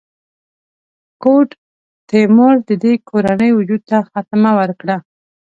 ګوډ تیمور د دې کورنۍ وجود ته خاتمه ورکړه.